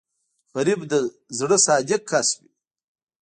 غریب د زړه صادق کس وي